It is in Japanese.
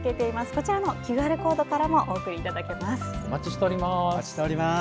こちらのＱＲコードからもお送りいただけます。